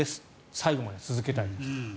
最後まで続けたいと。